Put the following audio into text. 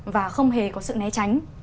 và không hề có sự né tránh